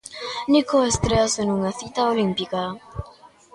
Nico estréase nunha cita olímpica.